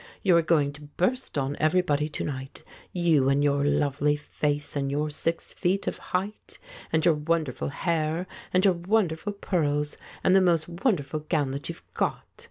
You are going to burst on everybody to night, you and your lovely face, and your six feet of height, and your wonderful hair, and your wonderful pearls, and the most won derful gown that you've got.